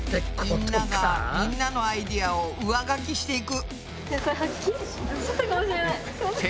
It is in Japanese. みんながみんなのアイデアを上書きしていく。